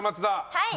はい。